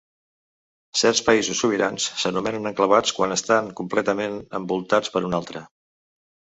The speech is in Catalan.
Certs països sobirans s'anomenen enclavats quan estan completament envoltats per un altre.